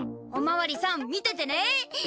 おまわりさん見ててね！